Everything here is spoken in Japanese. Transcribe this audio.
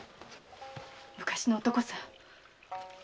昔の男さ。